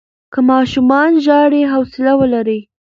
که ماشوم ژاړي، حوصله ولرئ.